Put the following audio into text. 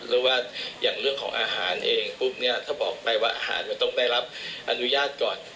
หรือว่าอย่างเรื่องของอาหารเองปุ๊บเนี่ยถ้าบอกไปว่าอาหารจะต้องได้รับอนุญาตก่อน